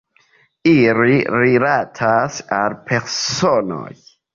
Ili rilatas al personoj.